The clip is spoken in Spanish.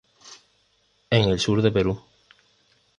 En el sur de Perú.